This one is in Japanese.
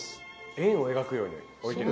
円を描くように置いて。